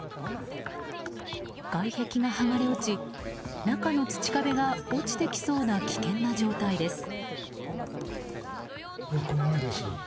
外壁が剥がれ落ち、中の土壁が落ちてきそうな危険な状態です。